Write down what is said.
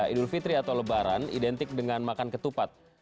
idul fitri atau lebaran identik dengan makan ketupat